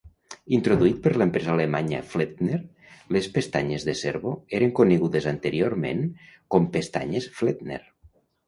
Introduït per l'empresa alemanya Flettner, les pestanyes de servo eren conegudes anteriorment com pestanyes Flettner.